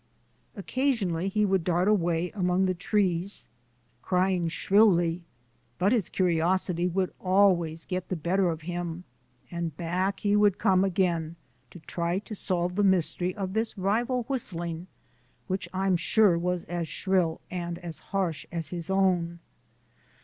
Occasionally he would dart off among the trees crying shrilly; but his curiosity would always get the better of him and back he would come again to try to solve the mystery of this rival whistling, which I'm sure was as shrill and as harsh as his own.